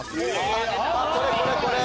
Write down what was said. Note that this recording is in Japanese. あっこれこれこれ！